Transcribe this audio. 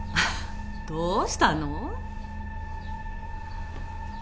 どうしたの？